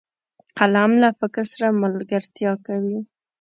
قلم له فکر سره ملګرتیا کوي